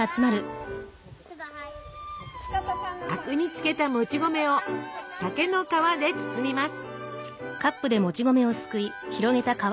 灰汁につけたもち米を竹の皮で包みます。